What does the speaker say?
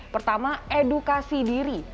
pertama edukasi diri